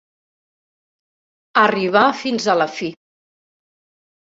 Arribar fins a la fi.